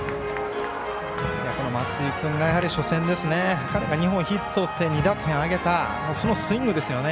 松井君が初戦、彼が２本ヒットを打って２打点挙げたそのスイングですよね。